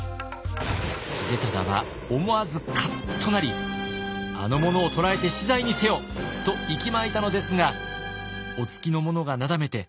秀忠は思わずカッとなり「あの者を捕らえて死罪にせよ！」といきまいたのですがお付きの者がなだめて